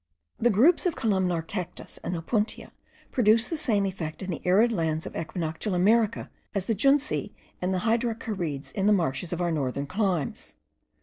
The groups of columnar cactus and opuntia produce the same effect in the arid lands of equinoctial America as the junceae and the hydrocharides in the marshes of our northern climes.